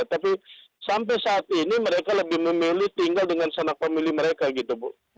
tapi sampai saat ini mereka lebih memilih tinggal dengan sanak pemilih mereka gitu bu